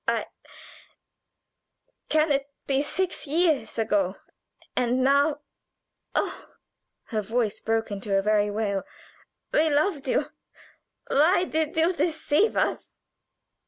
I can it be six years ago and now oh!" Her voice broke into a very wail. "We loved you why did you deceive us?"